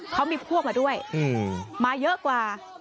เขามีพวกมาด้วยมาเยอะกว่า